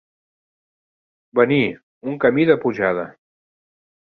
Venir, un camí, de pujada.